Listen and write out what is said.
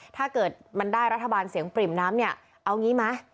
ถ้าเกิดมันได้รัฐบาลเสียงปริ่มน้ำเนี่ยเอางี้ไหม